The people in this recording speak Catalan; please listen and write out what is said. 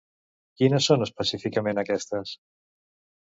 Quines són específicament aquestes?